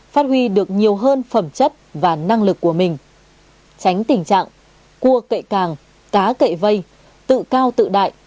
phát huy được nhiều hơn phẩm trí